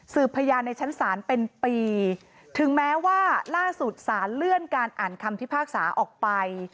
พยานในชั้นศาลเป็นปีถึงแม้ว่าล่าสุดสารเลื่อนการอ่านคำพิพากษาออกไป